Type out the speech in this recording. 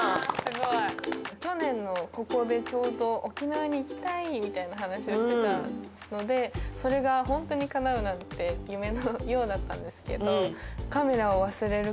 去年のここでちょうど「沖縄に行きたい！」みたいな話をしてたのでそれがホントに叶うなんて夢のようだったんですけど。